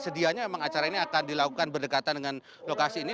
sedianya memang acara ini akan dilakukan berdekatan dengan lokasi ini